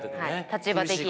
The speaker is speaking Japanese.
立場的に。